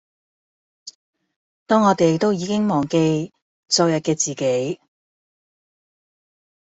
當我們都已經忘記昨日的自己